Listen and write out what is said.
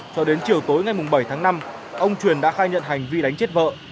cho đến chiều tối ngày bảy tháng năm ông truyền đã khai nhận hành vi đánh chết vợ